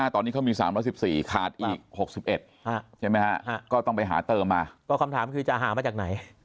ตอนนี้เขามี๓๑๔ขาดอีก๖๑ใช่ไหมฮะก็ต้องไปหาเติมมาก็คำถามคือจะหามาจากไหน